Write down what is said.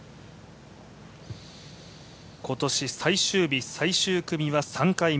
今年最終日、最終組は３回目。